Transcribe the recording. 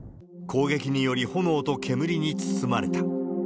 攻撃により、炎と煙に包まれた。